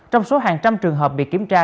trong số hàng trăm trường hợp bị kiểm tra